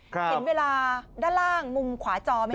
เห็นเวลาด้านล่างมุมขวาจอไหม